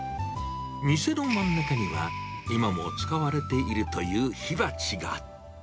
店の真ん中には、今も使われているという火鉢が。